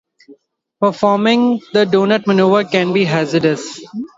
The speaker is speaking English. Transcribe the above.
Performing the doughnut maneuver can be hazardous.